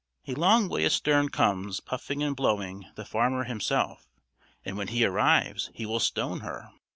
A long way astern comes, puffing and blowing, the farmer himself, and when he arrives he will stone her.